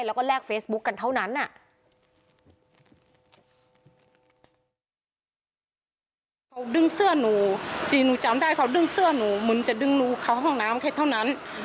แล้วก็แลกเฟซบุ๊คกันเท่านั้น